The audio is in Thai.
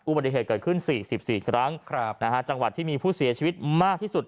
อุบัติเหตุเกิดขึ้น๔๔ครั้งจังหวัดที่มีผู้เสียชีวิตมากที่สุด